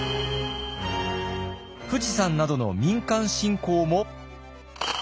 富士山などの民間信仰も。